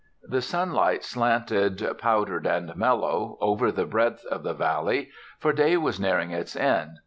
The sunlight slanted powdered and mellow over the breadth of the valley; for day was nearing its end.